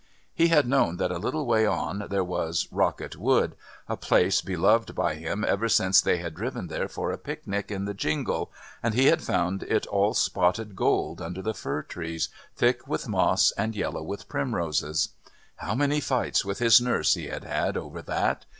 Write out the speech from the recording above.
He had known that a little way on there was Rocket Wood, a place beloved by him ever since they had driven there for a picnic in the jingle, and he had found it all spotted gold under the fir trees, thick with moss and yellow with primroses. How many fights with his nurse he had had over that!